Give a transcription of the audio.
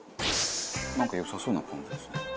なんか良さそうなポン酢ですね。